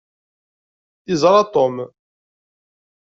Iẓra Tom.